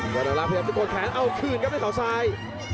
ยอดอักรักษ์พร้อมที่โคตรแขนเอาคืนครับให้เขาซ้าย